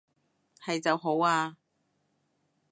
係就好啊